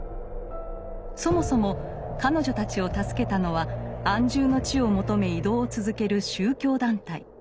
そもそも彼女たちを助けたのは安住の地を求め移動を続ける宗教団体。